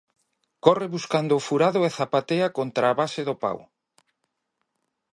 Corre buscando o furado e zapatea contra a base do pau.